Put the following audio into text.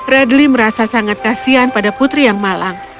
radly merasa sangat kasian pada putri yang malang